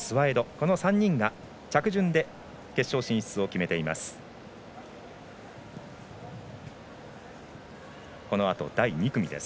この３人が着順で決勝進出を決めています。